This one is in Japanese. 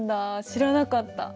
知らなかった。